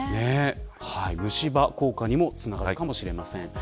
虫歯効果にもつながるかもしれません。